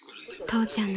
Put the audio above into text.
・父ちゃん